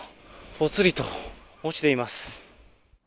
ぽつりと落ちています。